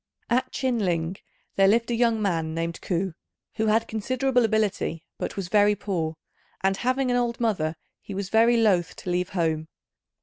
At Chin ling there lived a young man named Ku, who had considerable ability but was very poor; and having an old mother, he was very loth to leave home.